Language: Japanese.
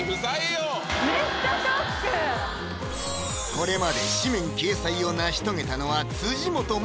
これまで誌面掲載を成し遂げたのは辻元舞